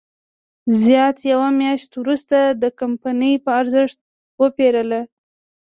زیات یوه میاشت وروسته د کمپنۍ په ارزښت وپېرله.